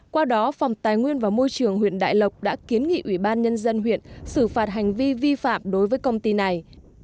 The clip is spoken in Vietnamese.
qua đó phòng tài nguyên và môi trường huyện đại lộc đã kiến nghị ủy ban nhân dân huyện xử phạt hành vi vi phạm đối với công ty này